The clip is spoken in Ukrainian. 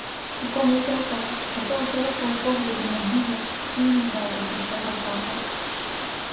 Такого запалу, такого широкого погляду на діло він не ждав у простого патера.